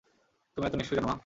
তুমি এতো নিষ্ঠুর কেন, মা?